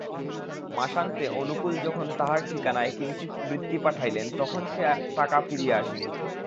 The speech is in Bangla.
মাসান্তে অনুকূল যখন তাহার ঠিকানায় কিঞ্চিৎ বৃত্তি পাঠাইলেন তখন সে টাকা ফিরিয়া আসিল।